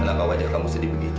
kenapa wajar kamu sedih begitu